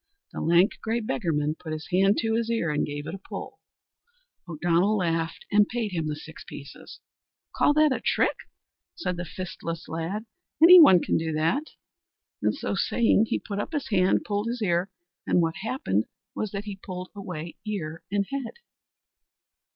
The lank, grey beggarman put his hand to his ear, and he gave it a pull. O'Donnell laughed and paid him the six pieces. "Call that a trick?" said the fistless lad, "any one can do that," and so saying, he put up his hand, pulled his ear, and what happened was that he pulled away ear and head.